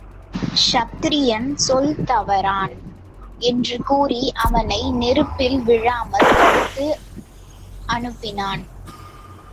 க்ஷத்திரியன் சொல் தவறான் என்று கூறி அவனை நெருப்பில் விழாமல் தடுத்து அனுப்பினான்.